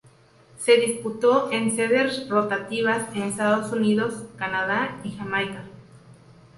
Se disputó en sedes rotativas en Estados Unidos, Canadá y Jamaica.